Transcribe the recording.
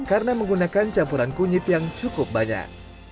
karena menggunakan campuran kunyit yang cukup banyak